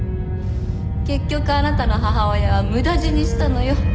結局あなたの母親は無駄死にしたのよ。